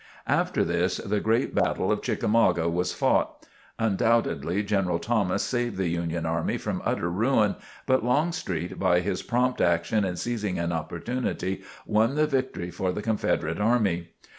After this the great battle of Chickamauga was fought. Undoubtedly General Thomas saved the Union army from utter ruin, but Longstreet, by his prompt action in seizing an opportunity, won the victory for the Confederate army.